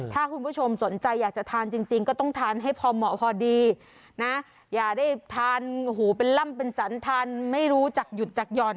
ถ้าคุณผู้ชมสนใจอยากจะทานจริงก็ต้องทานให้พอเหมาะพอดีนะอย่าได้ทานหูเป็นล่ำเป็นสันทานไม่รู้จักหยุดจากหย่อน